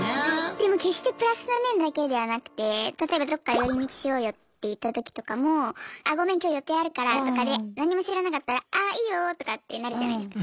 でも決してプラスの面だけではなくて例えばどっか寄り道しようよって言ったときとかも「あっごめん今日予定あるから」とかで何にも知らなかったら「あーいいよ」とかってなるじゃないですか。